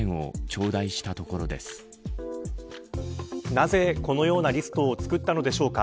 なぜ、このようなリストを作ったのでしょうか。